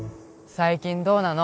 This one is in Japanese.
最近どうなの？